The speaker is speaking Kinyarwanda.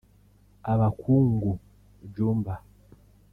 Abakungu (Jumba)